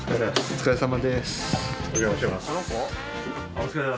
・お疲れさまです。